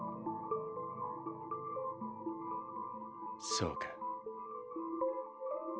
そうか。